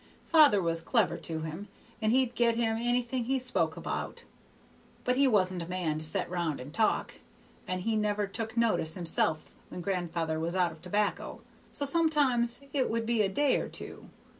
Father was clever to him, and he'd get him anything he spoke about; but he wasn't a man to set round and talk, and he never took notice himself when gran'ther was out of tobacco, so sometimes it would be a day or two.